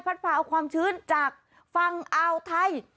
พาเอาความชื้นจากฝั่งอ่าวไทย